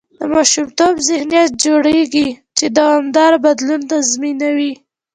د ماشومتوبه ذهنیت جوړېږي، چې دوامداره بدلون تضمینوي.